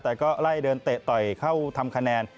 แต่ก็ไล่เดินเตะต่อยเข้าทำคะแนน